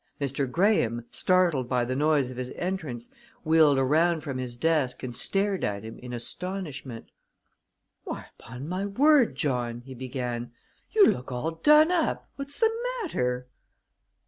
Mr. Graham, startled by the noise of his entrance, wheeled around from his desk and stared at him in astonishment. "Why, upon my word, John," he began, "you look all done up. What's the matter?"